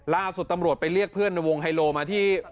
ล่าสุดตำรวจไปเรียกเพื่อนในวงไฮโลมาที่